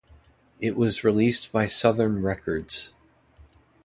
It was released by Southern Records.